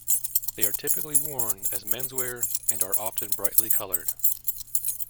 They are typically worn as menswear and are often brightly colored.